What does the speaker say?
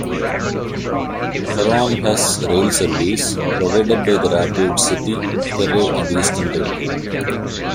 Huron has rail service, provided by the Rapid City, Pierre and Eastern Railroad.